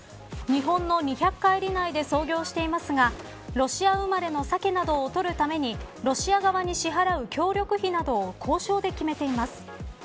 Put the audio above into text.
日本の２００カイリ内で操業していますがロシア生まれのサケなどを取るためにロシア側に支払う協力費などを交渉で決めています。